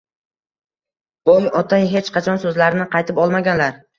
Boy ota hech qachon so‘zlarini qaytib olmaganlar